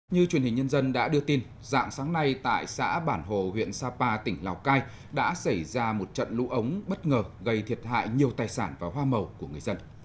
như truyền hình nhân dân đã đưa tin dạng sáng nay tại xã bản hồ huyện sapa tỉnh lào cai đã xảy ra một trận lũ ống bất ngờ gây thiệt hại nhiều tài sản và hoa màu của người dân